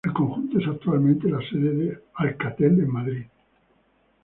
El conjunto es actualmente la sede de Alcatel en Madrid.